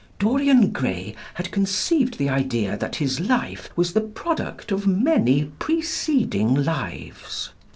" Dorian Gray had conceived the idea that his life was the product of many preceding lives.